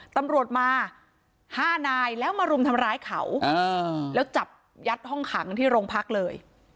ตำรวจมา๕นายแล้วมารุมทำร้ายเขาแล้วจับยัดห้องขังที่โรงพักเลย